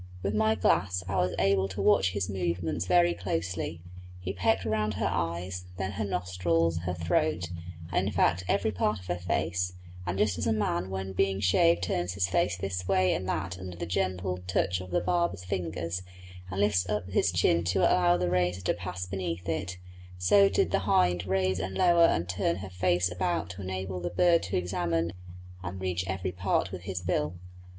With my glass I was able to watch his movements very closely; he pecked round her eyes, then her nostrils, her throat, and in fact every part of her face; and just as a man when being shaved turns his face this way and that under the gentle guiding touch of the barber's fingers, and lifts up his chin to allow the razor to pass beneath it, so did the hind raise and lower and turn her face about to enable the bird to examine and reach every part with his bill.